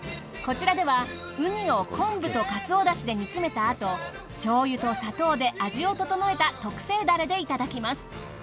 こちらではうにを昆布とカツオ出汁で煮詰めたあとしょうゆと砂糖で味を調えた特製ダレでいただきます。